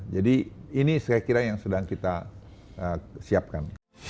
jadi ini saya kira yang sedang kita siapkan